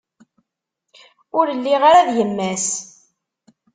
Ur lliɣ ara d yemma-s.